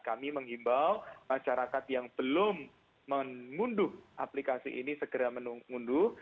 kami menghimbau masyarakat yang belum mengunduh aplikasi ini segera menunduk